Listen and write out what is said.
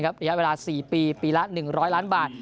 ระยะเวลา๔ปีปีละ๑๐๐ล้านบาท